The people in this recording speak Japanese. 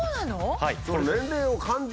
はい。